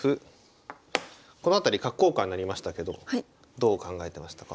この辺り角交換になりましたけどどう考えてましたか？